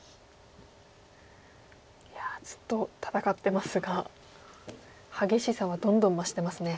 いやずっと戦ってますが激しさはどんどん増してますね。